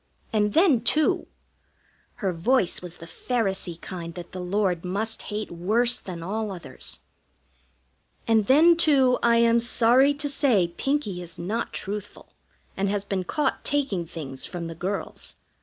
And then, too" her voice was the Pharisee kind that the Lord must hate worse than all others "and then, too, I am sorry to say Pinkie is not truthful, and has been caught taking things from the girls.